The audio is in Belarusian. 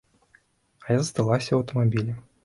А я засталася ў аўтамабілі.